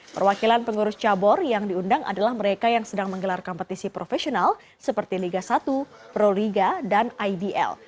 perwakilan pengurus cabang yang diundang adalah mereka yang sedang menggelar kompetisi profesional seperti liga satu proliga dan idl